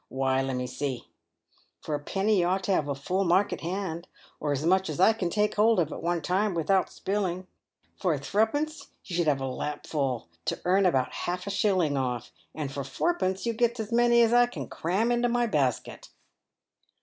Why, let me see, for a penny you ought to have a full market hand, or as much, as I can take hold of at one time without spilling ; for threepence you should have a lap full enough to earn about a shilling off; and for fourpence you gets as many as I can cram into my basket."